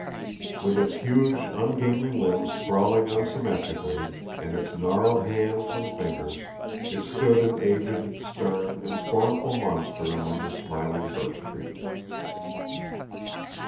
With its huge ungainly limbs sprawling unsymmetrically, and its gnarled hands and fingers, it stood an aged, stern, and scornful monster among the smiling birch trees.